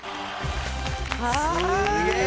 すげえ！